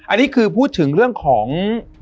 อันนี้คือพูดถึงเรื่องของ